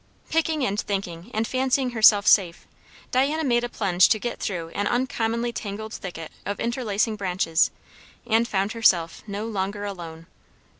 Picking and thinking and fancying herself safe, Diana made a plunge to get through an uncommonly tangled thicket of interlacing branches, and found herself no longer alone.